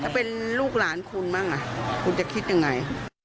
ถ้าเป็นลูกหลานคุณบ้างคุณจะคิดยังไง